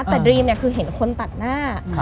แต่ดรีมคือเห็นคนตัดหน้า